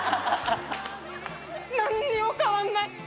何にも変わんない。